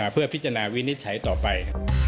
เพื่อพิจารณาวินิจฉัยต่อไป